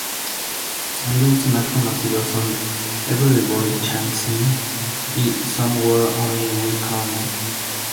Sus singles más conocidos son "Everybody's Changing" y "Somewhere Only We Know.